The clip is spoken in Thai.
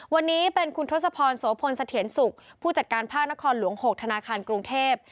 วันนี้เป็นคุณทศพรโสพลเสถียรสุขผู้จัดการภาคนครหลวง๖ธนาคารกรุงเทพ